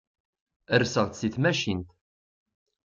Rseɣ-d si tmacint.